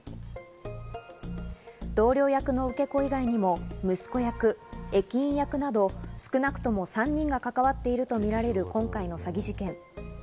同僚役の受け子以外にも、息子役、駅員役など少なくとも３人が関わっているとみられる今回の詐欺事件。